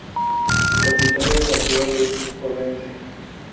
Su capital era la ciudad de Odense.